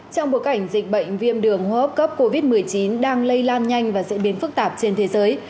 trong bộ cảnh dịch bệnh viêm đường hốp cấp covid một mươi chín đang lây lan nhanh và diễn biến phức tạp trên thế giới